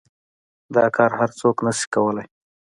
دا كار هر سوك نشي كولاى.